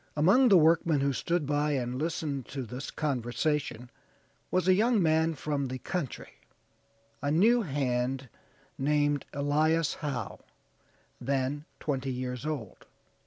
"Among the workmen who stood by and listened to this conversation was a young man from the country, a new hand named Elias Howe, then twenty years old.